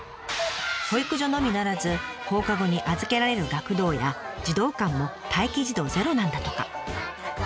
保育所のみならず放課後に預けられる学童や児童館も待機児童ゼロなんだとか。